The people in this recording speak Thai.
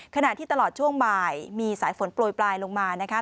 ขณะที่ตลอดช่วงบ่ายมีสายฝนโปรยปลายลงมานะคะ